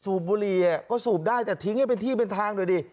บุรีก็สูบได้แต่ทิ้งให้เป็นที่เป็นทางหน่อยดิ